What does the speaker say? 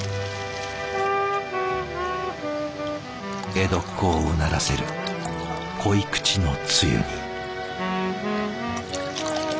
江戸っ子をうならせる濃い口のつゆに。